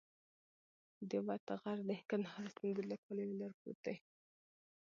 د وط غر د قندهار او سپین بولدک پر لویه لار پروت دی.